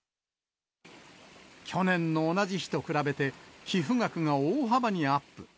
去年の同じ日と比べて、寄付額が大幅にアップ。